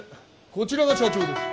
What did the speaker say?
こちらが社長です